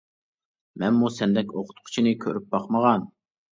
— مەنمۇ سەندەك ئوقۇتقۇچىنى كۆرۈپ باقمىغان.